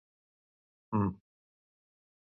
No et podr